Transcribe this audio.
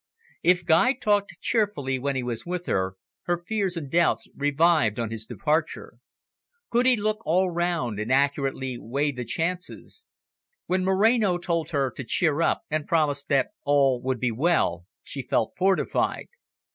If Guy talked cheerfully when he was with her, her fears and doubts revived on his departure. Could he look all round and accurately weigh the chances? When Moreno told her to cheer up, and promised that all would be well, she felt fortified.